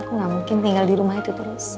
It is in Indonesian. aku gak mungkin tinggal di rumah itu terus